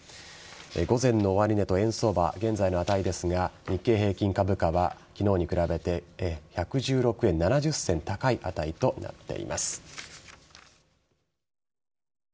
午前の終値と円相場現在の値ですが日経平均株価は昨日に比べて１１６円７０銭高い値となっています。